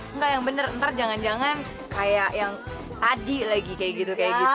enggak yang bener ntar jangan jangan kayak yang tadi lagi kayak gitu kayak gitu